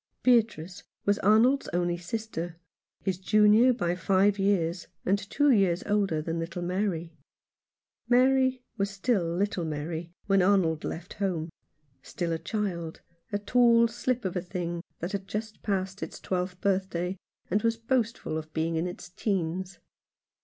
Beatrice was Arnold's only sister, his junior by five years, and two years older than little Mary. Mary was still little Mary when Arnold left home, still a child, a tall slip of a thing that had just passed its twelfth birthday, and was boastful of being in its teens.